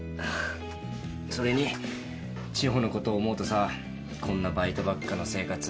それに千穂のことを思うとさこんなバイトばっかの生活